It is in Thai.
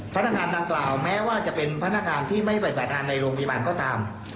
พนักงานดังกล่าวแม้ว่าจะเป็นพนักงานที่ไม่ปฏิบัติงานในโรงพยาบาลก็ตาม